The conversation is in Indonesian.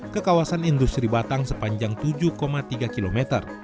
ke kawasan industri batang sepanjang tujuh tiga km